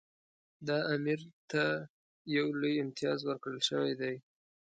دا امیر ته یو لوی امتیاز ورکړل شوی دی.